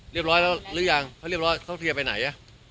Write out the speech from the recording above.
เรียบร้อยหรือยังถ้าเรียบร้อยต้องเคลียร์ไปไหน